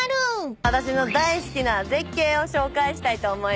私の大好きな絶景を紹介したいと思います。